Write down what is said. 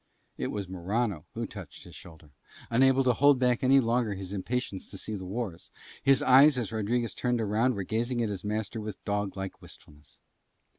It was Morano who touched his shoulder, unable to hold back any longer his impatience to see the wars; his eyes as Rodriguez turned round were gazing at his master with dog like wistfulness.